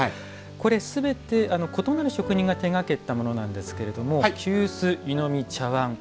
すべて、異なる職人が手がけたものなんですけれども急須、湯飲み、茶わん。